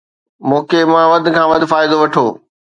موقعي مان وڌ کان وڌ فائدو وٺو